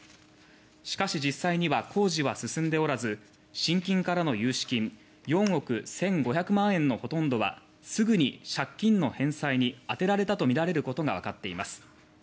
しかし実際には工事は進んでおらず信金からの融資金４億円１５００万円のほとんどはすぐに借金の返済に充てられたとみられることがわかっています。